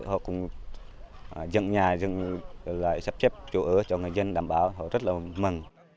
họ cùng dựng nhà dựng lại sắp chếp chỗ ở cho người dân đảm bảo họ rất là mừng